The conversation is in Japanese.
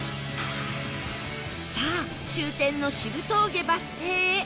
さあ終点の渋峠バス停へ